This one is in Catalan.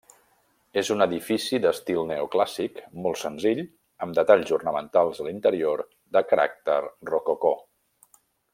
És un edifici d'estil neoclàssic, molt senzill, amb detalls ornamentals, a l'interior, de caràcter rococó.